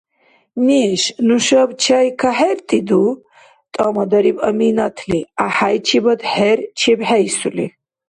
— Неш, нушаб чай кахӀертӀиду? — тӀамадариб Аминатли, гӀяхӀяйчибад хӀер чебхӀейсули.